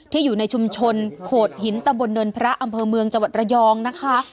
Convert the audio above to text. อยู่ในชุมชนโขดหินตะบนเนินพระอำเภอเมืองจังหวัดระยองนะคะ